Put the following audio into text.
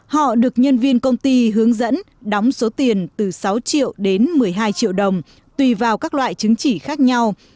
họ được nhân viên công ty hướng dẫn đóng số tiền từ sáu triệu đến một mươi hai triệu đồng tùy vào các loại chứng chỉ khác nhau